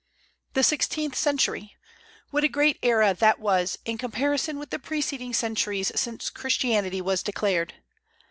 The sixteenth century! What a great era that was In comparison with the preceding centuries since Christianity was declared!